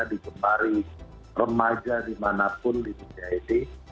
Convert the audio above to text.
digemari remaja dimanapun di dunia ini